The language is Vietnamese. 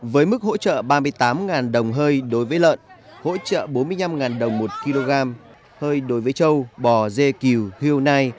với mức hỗ trợ ba mươi tám đồng hơi đối với lợn hỗ trợ bốn mươi năm đồng một kg hơi đối với trâu bò dê cừu hưu nai